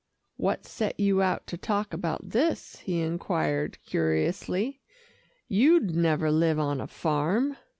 "What set you out to talk about this?" he inquired curiously. "You'd never live on a farm."